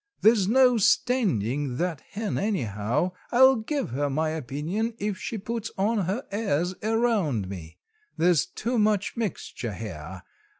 There's no standing that hen anyhow. I'll give her my opinion if she puts on her airs around me. There's too much mixture here.